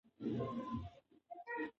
ټولنیز واقعیتونه بې شمېره دي.